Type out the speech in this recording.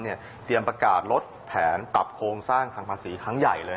เตรียมประกาศลดแผนปรับโครงสร้างทางภาษีครั้งใหญ่เลย